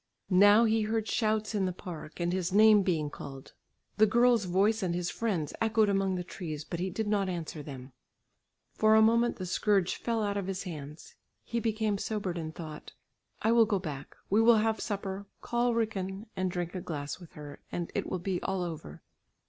Now he heard shouts in the park, and his name being called. The girl's voice and his friend's echoed among the trees, but he did not answer them. For a moment the scourge fell out of his hands; he became sobered and thought, "I will go back, we will have supper, call Riken and drink a glass with her, and it will be all over."